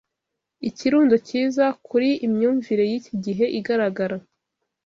Ikirundo cyiza, Kuri imyumvire yiki gihe, igaragara